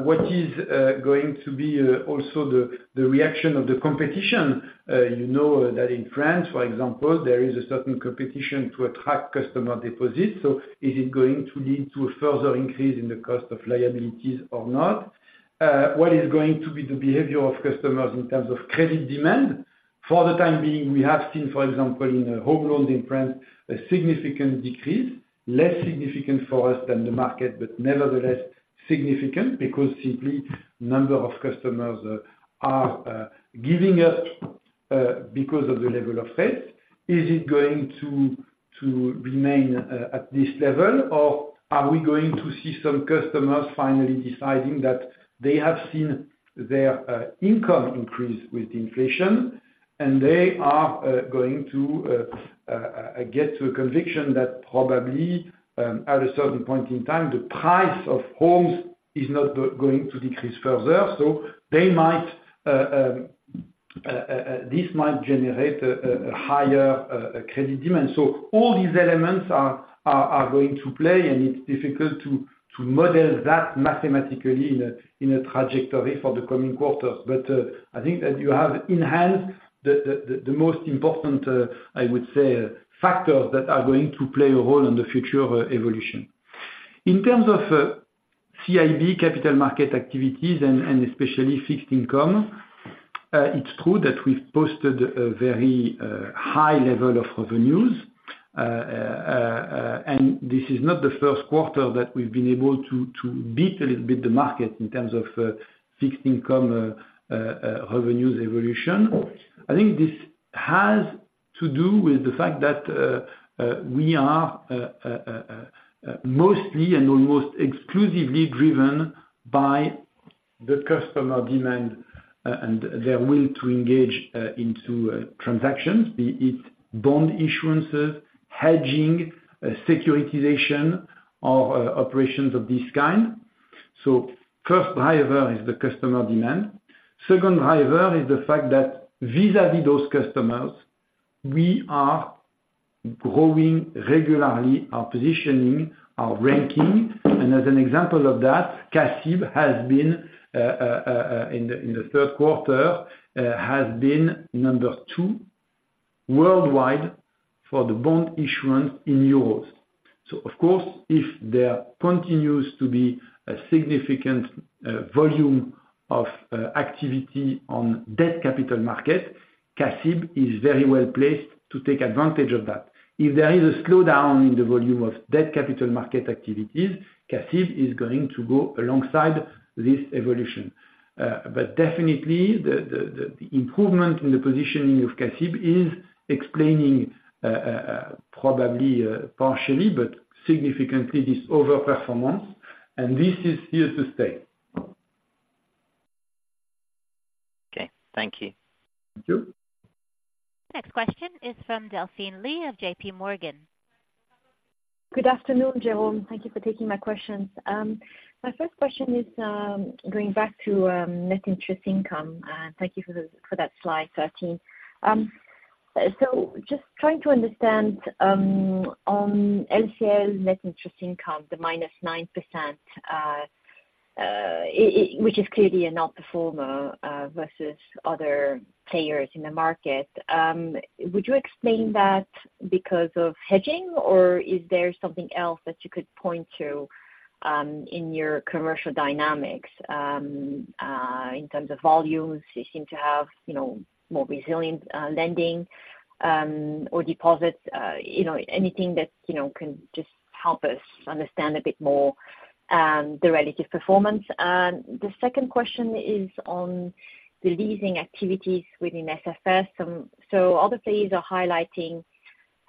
Speaker 2: What is going to be also the reaction of the competition? You know that in France, for example, there is a certain competition to attract customer deposits, so is it going to lead to a further increase in the cost of liabilities or not? What is going to be the behavior of customers in terms of credit demand? For the time being, we have seen, for example, in home loan in France, a significant decrease, less significant for us than the market, but nevertheless significant, because simply number of customers are giving up because of the level of rates. Is it going to remain at this level, or are we going to see some customers finally deciding that they have seen their income increase with inflation, and they are going to get to a conviction that probably at a certain point in time, the price of homes is not going to decrease further, so they might this might generate a higher credit demand. So all these elements are going to play, and it's difficult to model that mathematically in a trajectory for the coming quarters. But, I think that you have in hand, the most important, I would say, factors that are going to play a role in the future, evolution. In terms of, CIB capital market activities and, especially fixed income, it's true that we've posted a very, high level of revenues. And this is not the first quarter that we've been able to, beat a little bit, the market in terms of, fixed income, revenues evolution. I think this has to do with the fact that, we are, mostly and almost exclusively driven by the customer demand, and their will to engage, into, transactions, be it bond issuances, hedging, securitization, or, operations of this kind. So first driver is the customer demand. Second driver is the fact that vis-à-vis those customers, we are growing regularly, our positioning, our ranking. And as an example of that, CACIB has been in the third quarter number two worldwide for the bond issuance in euros. So of course, if there continues to be a significant volume of activity on debt capital market, CACIB is very well placed to take advantage of that. If there is a slowdown in the volume of debt capital market activities, CACIB is going to go alongside this evolution. But definitely the improvement in the positioning of CACIB is explaining probably, partially, but significantly, this over-performance, and this is here to stay.
Speaker 7: Okay, thank you.
Speaker 2: Thank you.
Speaker 1: Next question is from Delphine Lee of JP Morgan.
Speaker 8: Good afternoon, Jérôme. Thank you for taking my questions. My first question is, going back to, net interest income, and thank you for the, for that slide 13. So just trying to understand, on LCL net interest income, the -9%, which is clearly a non-performer, versus other players in the market, would you explain that because of hedging, or is there something else that you could point to, in your commercial dynamics, in terms of volumes, you seem to have, you know, more resilient, lending, or deposits, you know, anything that, you know, can just help us understand a bit more, the relative performance? And the second question is on the leasing activities within SFS. So other players are highlighting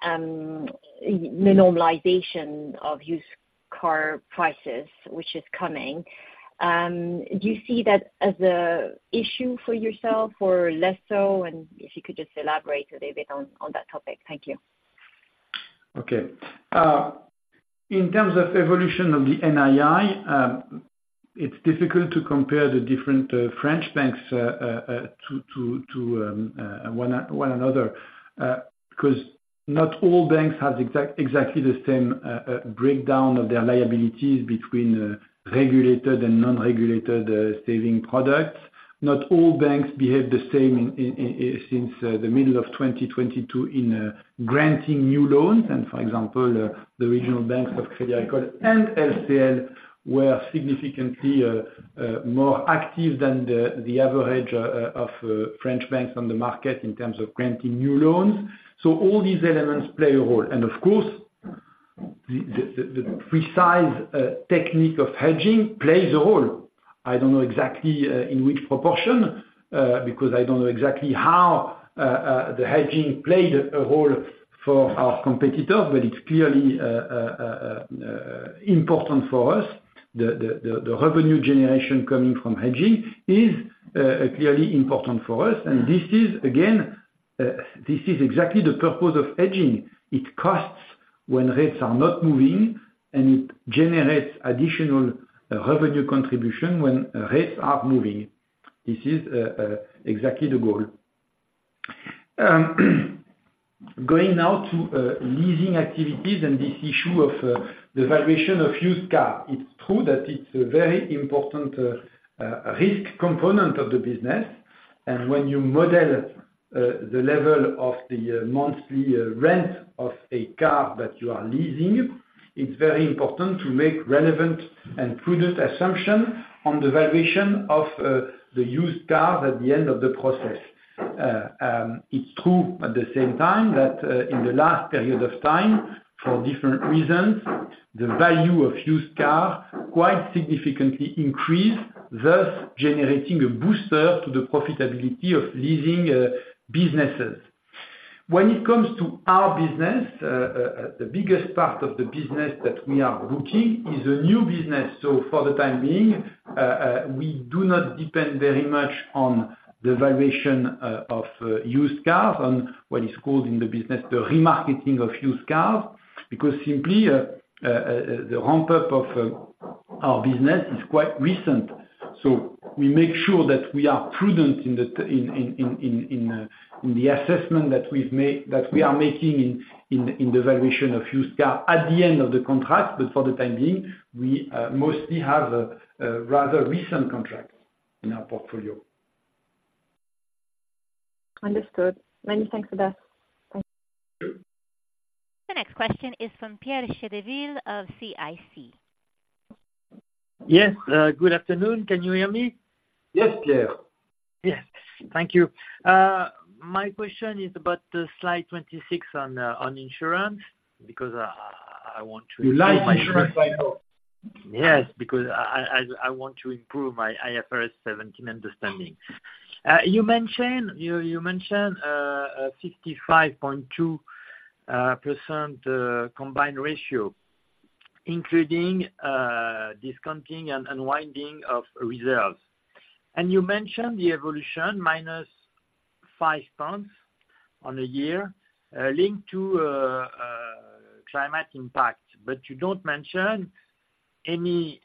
Speaker 8: the normalization of used car prices, which is coming. Do you see that as an issue for yourself, or less so? And if you could just elaborate a little bit on that topic. Thank you.
Speaker 2: Okay. In terms of evolution of the NII, it's difficult to compare the different French banks to one another, because not all banks have exactly the same breakdown of their liabilities between regulated and non-regulated savings products. Not all banks behave the same since the middle of 2022 in granting new loans. And for example, the regional banks of Crédit Agricole and LCL were significantly more active than the average of French banks on the market in terms of granting new loans. So all these elements play a role. And of course, the precise technique of hedging plays a role. I don't know exactly in which proportion because I don't know exactly how the hedging played a role for our competitors, but it's clearly important for us. The revenue generation coming from hedging is clearly important for us. And this is again this is exactly the purpose of hedging. It costs when rates are not moving, and it generates additional revenue contribution when rates are moving. This is exactly the goal. Going now to leasing activities and this issue of the valuation of used car. It's true that it's a very important risk component of the business. When you model the level of the monthly rent of a car that you are leasing, it's very important to make relevant and prudent assumption on the valuation of the used cars at the end of the process. It's true at the same time that in the last period of time, for different reasons, the value of used car quite significantly increased, thus generating a booster to the profitability of leasing businesses. When it comes to our business, the biggest part of the business that we are booking is a new business, so for the time being, we do not depend very much on the valuation of used cars, on what is called in the business, the remarketing of used cars, because simply, the ramp up of our business is quite recent. So we make sure that we are prudent in the assessment that we are making in the valuation of used car at the end of the contract. But for the time being, we mostly have a rather recent contract in our portfolio.
Speaker 8: Understood. Many thanks for that. Thank you.
Speaker 2: Thank you.
Speaker 1: The next question is from Pierre Chedeville of CIC.
Speaker 9: Yes, good afternoon. Can you hear me?
Speaker 2: Yes, Pierre.
Speaker 9: Yes, thank you. My question is about the slide 26 on, on insurance, because, I, I want to-
Speaker 2: You like insurance slide more.
Speaker 9: Yes, because I want to improve my IFRS 17 understanding. You mentioned a 55.2% combined ratio, including discounting and unwinding of reserves. And you mentioned the evolution minus 5 points on a year, linked to climate impact. But you don't mention any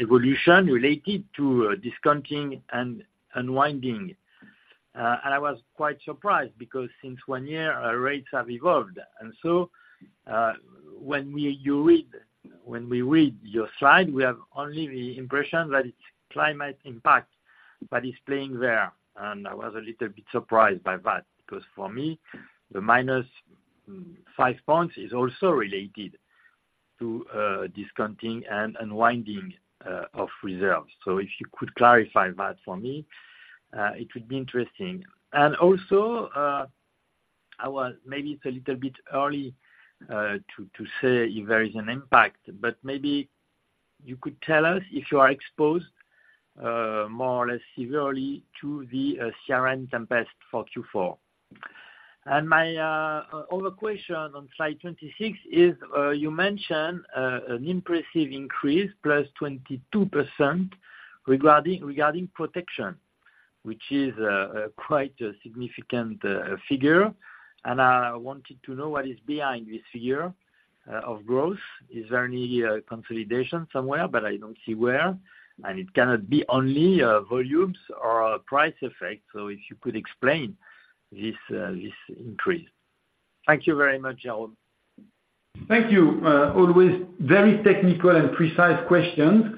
Speaker 9: evolution related to discounting and unwinding. And I was quite surprised because since one year, our rates have evolved. And so, when we read your slide, we have only the impression that it's climate impact that is playing there, and I was a little bit surprised by that, because for me, the minus 5 points is also related to discounting and unwinding of reserves. So if you could clarify that for me, it would be interesting. Also, I was, maybe it's a little bit early, to say if there is an impact, but maybe you could tell us if you are exposed more or less severely to the Ciarán tempest for Q4. My other question on slide 26 is, you mentioned an impressive increase, +22%, regarding protection, which is quite a significant figure. I wanted to know what is behind this figure of growth. Is there any consolidation somewhere? But I don't see where, and it cannot be only volumes or price effect. So if you could explain this increase. Thank you very much, Jérôme.
Speaker 2: Thank you. Always very technical and precise questions.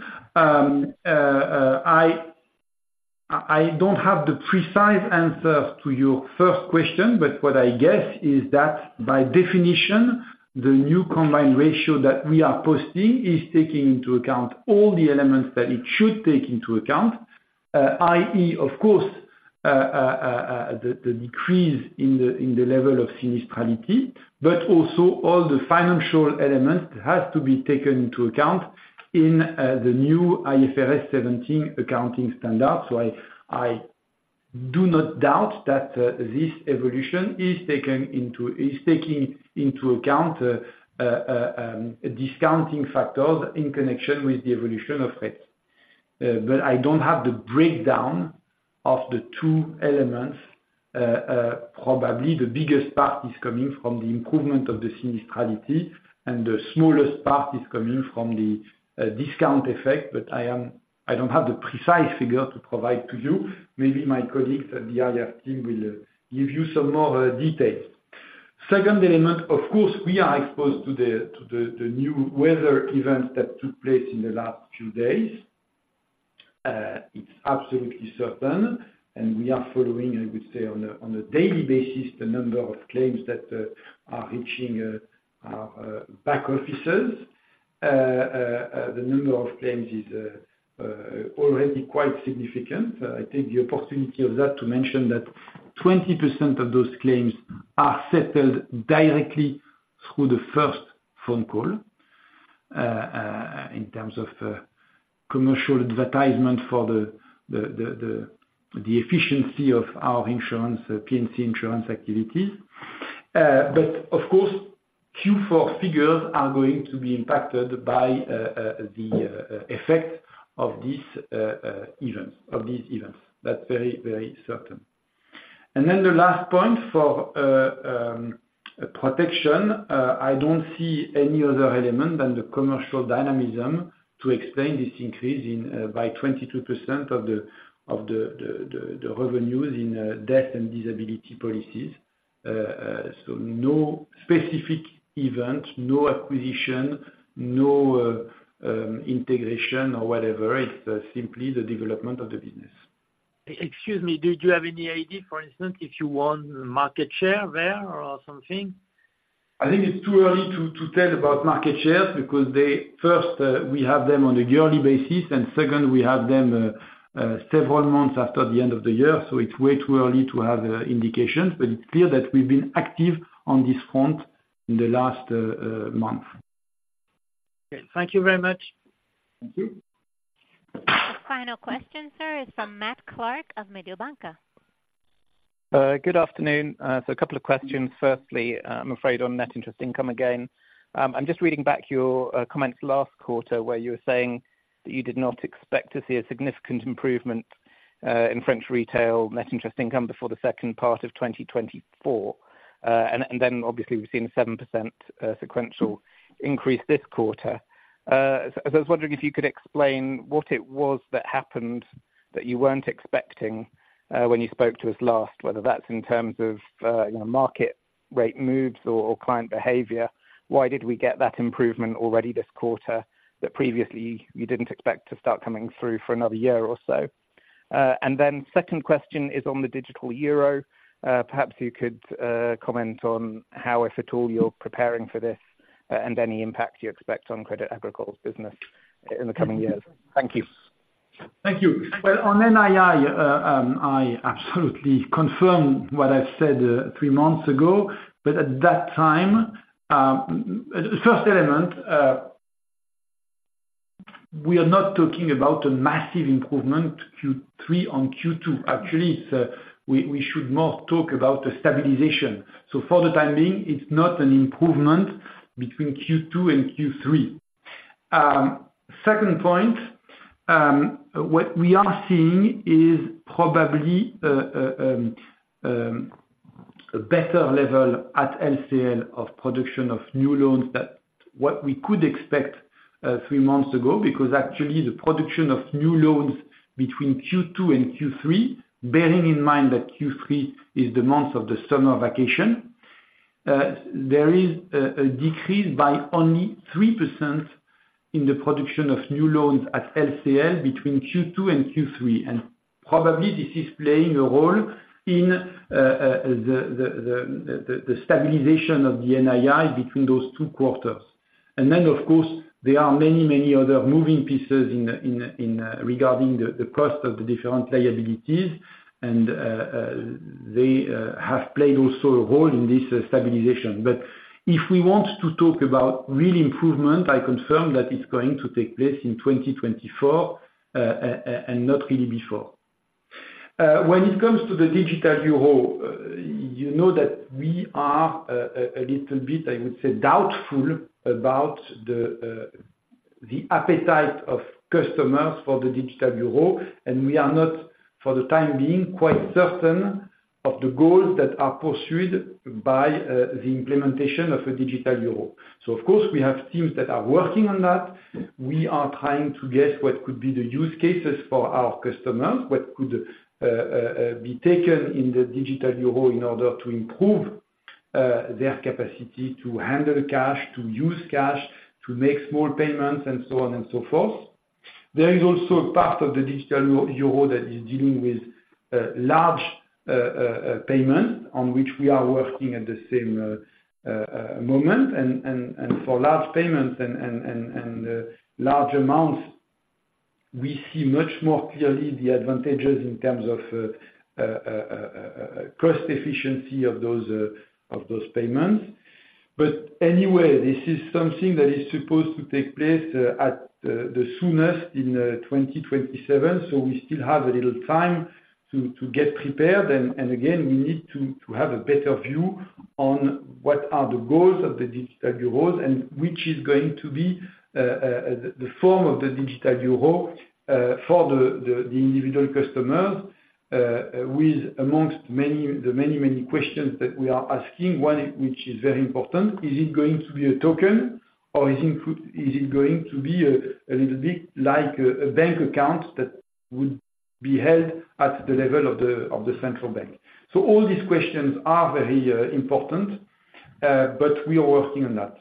Speaker 2: I don't have the precise answer to your first question, but what I guess is that by definition, the new combined ratio that we are posting is taking into account all the elements that it should take into account. i.e., of course, the decrease in the level of sinistrality, but also all the financial elements has to be taken into account in the new IFRS 17 accounting standard. So I do not doubt that this evolution is taken into... is taking into account discounting factors in connection with the evolution of rates. But I don't have the breakdown of the two elements. Probably the biggest part is coming from the improvement of the sinistrality, and the smallest part is coming from the discount effect, but I don't have the precise figure to provide to you. Maybe my colleagues at the IR team will give you some more details. Second element, of course, we are exposed to the new weather events that took place in the last few days. It's absolutely certain, and we are following, I would say, on a daily basis, the number of claims that are reaching our back offices. The number of claims is already quite significant. I take the opportunity of that to mention that 20% of those claims are settled directly through the first phone call in terms of commercial advertisement for the efficiency of our insurance, Predica insurance activities. But of course, Q4 figures are going to be impacted by the effect of these events. That's very, very certain. And then the last point for protection, I don't see any other element than the commercial dynamism to explain this increase by 22% of the revenues in death and disability policies. So no specific event, no acquisition, no integration or whatever, it's simply the development of the business.
Speaker 9: Excuse me, do you have any idea, for instance, if you want market share there or something?
Speaker 2: I think it's too early to tell about market shares because first, we have them on a yearly basis, and second, we have them several months after the end of the year, so it's way too early to have indications, but it's clear that we've been active on this front in the last month.
Speaker 9: Okay. Thank you very much.
Speaker 2: Thank you.
Speaker 1: The final question, sir, is from Matt Clark of Mediobanca.
Speaker 10: Good afternoon. So a couple of questions. Firstly, I'm afraid on net interest income again. I'm just reading back your comments last quarter, where you were saying that you did not expect to see a significant improvement in French retail net interest income before the second part of 2024. And then obviously, we've seen a 7% sequential increase this quarter. So I was wondering if you could explain what it was that happened that you weren't expecting when you spoke to us last, whether that's in terms of you know, market rate moves or client behavior. Why did we get that improvement already this quarter, that previously you didn't expect to start coming through for another year or so? And then second question is on the digital euro. Perhaps you could comment on how, if at all, you're preparing for this, and any impact you expect on Crédit Agricole business in the coming years. Thank you.
Speaker 2: Thank you. Well, on NII, I absolutely confirm what I've said three months ago, but at that time, first element, we are not talking about a massive improvement, Q3 on Q2. Actually, we should more talk about a stabilization. So for the time being, it's not an improvement between Q2 and Q3. Second point, what we are seeing is probably a better level at LCL of production of new loans that what we could expect three months ago, because actually the production of new loans between Q2 and Q3, bearing in mind that Q3 is the month of the summer vacation, there is a decrease by only 3% in the production of new loans at LCL between Q2 and Q3, and probably this is playing a role in the stabilization of the NII between those two quarters. And then, of course, there are many, many other moving pieces in regarding the cost of the different liabilities, and they have played also a role in this stabilization. But if we want to talk about real improvement, I confirm that it's going to take place in 2024, and not really before. When it comes to the digital euro, you know that we are a little bit, I would say, doubtful about the appetite of customers for the digital euro, and we are not, for the time being, quite certain of the goals that are pursued by the implementation of a digital euro. So of course, we have teams that are working on that. We are trying to guess what could be the use cases for our customers, what could be taken in the digital euro in order to improve their capacity to handle cash, to use cash, to make small payments, and so on and so forth. There is also a part of the digital euro that is dealing with large payment, on which we are working at the same moment. And for large payments and large amounts, we see much more clearly the advantages in terms of cost efficiency of those payments. But anyway, this is something that is supposed to take place at the soonest in 2027, so we still have a little time to get prepared. Again, we need to have a better view on what are the goals of the digital euros, and which is going to be the form of the digital euro for the individual customer, with amongst many questions that we are asking, one which is very important: Is it going to be a token, or is it going to be a little bit like a bank account that would be held at the level of the central bank? So all these questions are very important, but we are working on that.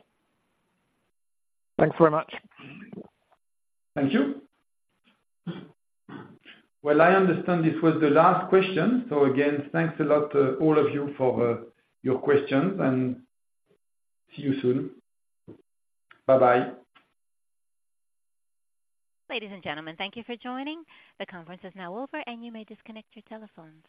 Speaker 9: Thanks very much.
Speaker 2: Thank you. Well, I understand this was the last question. So again, thanks a lot, all of you for your questions, and see you soon. Bye-bye.
Speaker 1: Ladies and gentlemen, thank you for joining. The conference is now over, and you may disconnect your telephones.